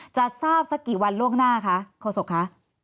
จะทราบสักกี่วันล่วงหน้าคะโฆษกคะ